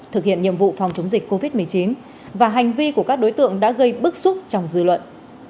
thực hiện nhiệm vụ phòng chống dịch covid một mươi chín và hành vi của các đối tượng đã gây bức xúc trong dư luận